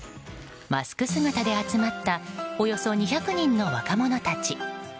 マスク姿で集まったおよそ２００人の若者たち。